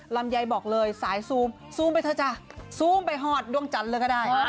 ลำไยบอกเลยสายซูมซูมไปเถอะจ้ะซูมไปหอดดวงจันทร์เลยก็ได้